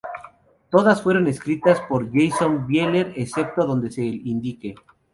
Todas fueron escritas por Jason Bieler, excepto donde se indique.